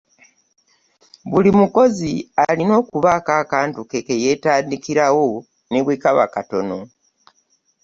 Buli mukozi alina okubaako akantu ke kebteetandikirawo ne bwe kaba katono.